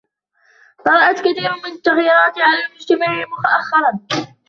طرأت كثير من التغيرات على المجتمع مؤخرًا.